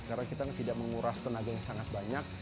karena kita tidak menguras tenaga yang sangat banyak